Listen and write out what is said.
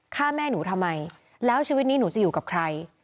ฆ่าแม่หนูทำไมแล้วชีวิตนี้หนูจะอยู่กับใคร